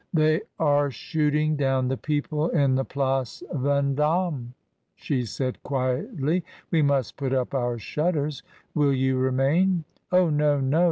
"They are shooting down the people in the Place Venddme," she said quietly; "we must put up our shutters. Will you remain?" "Oh, no, no!